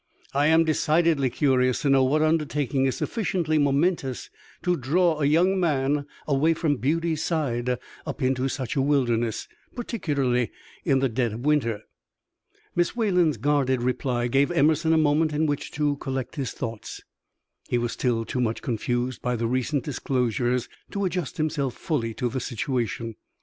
"I am decidedly curious to know what undertaking is sufficiently momentous to draw a young man away from beauty's side up into such a wilderness, particularly in the dead of winter." Miss Wayland's guarded reply gave Emerson a moment in which to collect his thoughts. He was still too much confused by the recent disclosures to adjust himself fully to the situation.